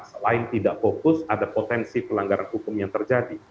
selain tidak fokus ada potensi pelanggaran hukum yang terjadi